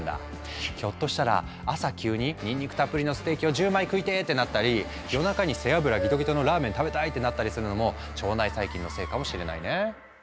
ひょっとしたら朝急に「ニンニクたっぷりのステーキを１０枚食いてえ！」ってなったり夜中に「背脂ギトギトのラーメン食べたい！」ってなったりするのも腸内細菌のせいかもしれないね。